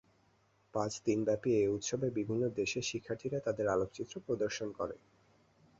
পাঁচ দিনব্যাপী এ উৎসবে বিভিন্ন দেশের শিক্ষার্থীরা তাদের আলোকচিত্র প্রদর্শন করে।